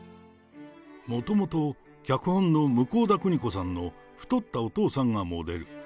もともと脚本の向田邦子さんの太ったお父さんがモデル。